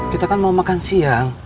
kita kan mau makan siang